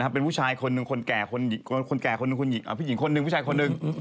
เป็นผู้ชายคนหนึ่งคนแก่คนแก่คนหนึ่งผู้หญิงคนหนึ่งผู้ชายคนหนึ่ง